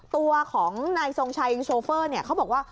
ตัวของนายทรงชัยโชเฟอร์เขาบอกว่า